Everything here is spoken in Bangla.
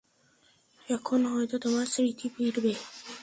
এখন হয়ত, তোমার স্মৃতি ফিরবে।